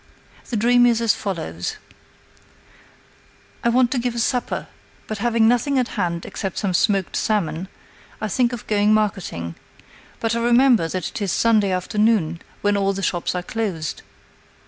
The dream is as follows: _"I want to give a supper, but having nothing at hand except some smoked salmon, I think of going marketing, but I remember that it is Sunday afternoon, when all the shops are closed.